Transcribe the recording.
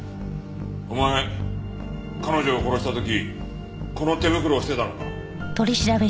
お前彼女を殺した時この手袋をしてたのか？